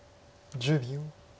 １０秒。